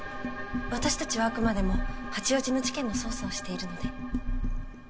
私たちはあくまでも八王子の事件の捜査をしているので。